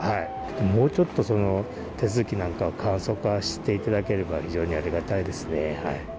もうちょっと手続きなんかを簡素化していただければ、非常にありがたいですね。